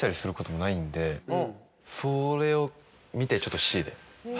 それを見てちょっとＣで。